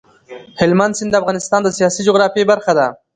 هلمند سیند د افغانستان د سیاسي جغرافیې برخه ده.